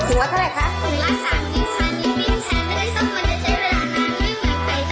สิวะเท่าไรคะ